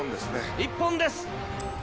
一本です。